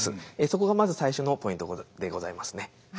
そこがまず最初のポイントでございますね。